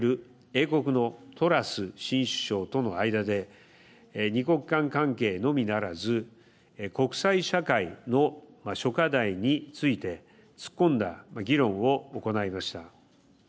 英国のトラス新首相との間で二国間関係のみならず国際社会の諸課題について突っ込んだ議論を行いました。